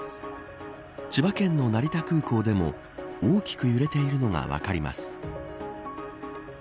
千葉県の成田空港でも大きく揺れているのが分かります。